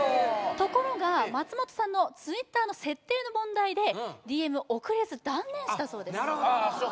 ところが松本さんのＴｗｉｔｔｅｒの設定の問題でＤＭを送れず断念したそうですあっ